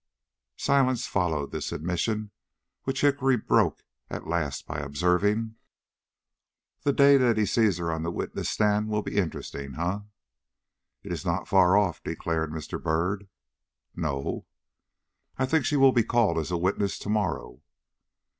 Silence followed this admission, which Hickory broke at last by observing: "The day that sees her on the witness stand will be interesting, eh?" "It is not far off," declared Mr. Byrd. "No?" "I think she will be called as a witness to morrow."